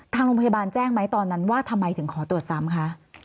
ทางโรงพยาบาลแจ้งไหมตอนนั้นว่าทำไมถึงขอตรวจซ้ำคะ